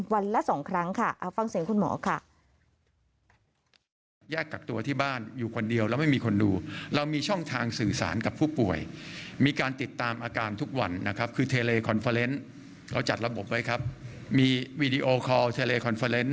วันละ๒ครั้งค่ะเอาฟังเสียงคุณหมอค่ะ